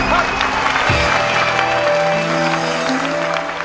ใช้ครับ